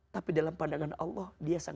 tapi dalam pandangan allah